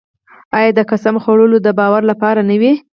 آیا د قسم خوړل د باور لپاره نه وي؟